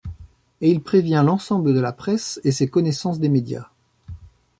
Et il prévient l’ensemble de la presse et ses connaissances des médias.